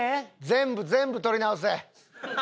全部全部撮り直せ！